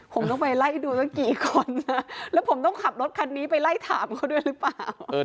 ผมต้องไปไล่ดูตั้งกี่คนนะแล้วผมต้องขับรถคันนี้ไปไล่ถามเขาด้วยหรือเปล่า